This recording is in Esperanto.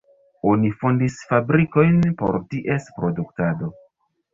Oni fondis fabrikojn por ties produktado.